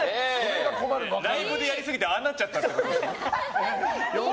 ライブでやりすぎてああなっちゃった。